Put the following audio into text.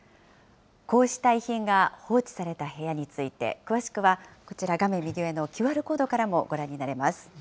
こうした遺品が放置された部屋について、詳しくはこちら、画面右上のＱＲコードからもご覧になれます。